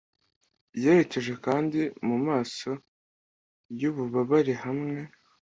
yerekeje kandi mumaso yububabare hamwe